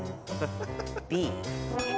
Ｂ？